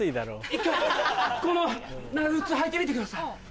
一回この長靴履いてみてください。